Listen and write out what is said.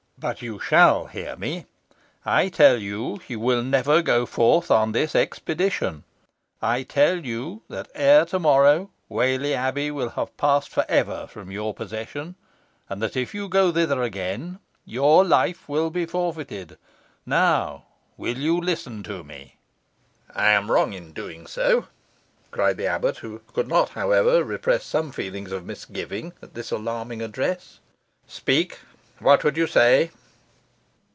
"But you shall hear me. I tell you, you will never go forth on this expedition. I tell you that, ere to morrow, Whalley Abbey will have passed for ever from your possession; and that, if you go thither again, your life will be forfeited. Now will you listen to me?" "I am wrong in doing so," cried the abbot, who could not, however, repress some feelings of misgiving at this alarming address. "Speak, what would you say?"